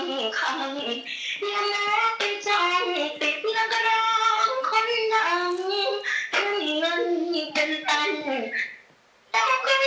โทรหาคนรู้จัก